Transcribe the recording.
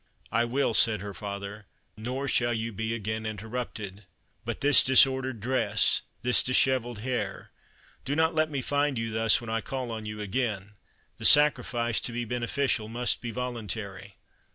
"I will," said her father; "nor shall you be again interrupted. But this disordered dress this dishevelled hair do not let me find you thus when I call on you again; the sacrifice, to be beneficial, must be voluntary."